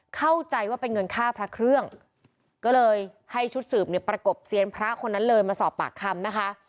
เข้าใจว่าเป็นเงินค่าพระเครื่องก็เลยให้ชุดสืบเนี่ยประกบเซียนพระคนนั้นเลยมาสอบปากคำนะคะ